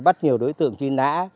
bắt nhiều đối tượng truy nã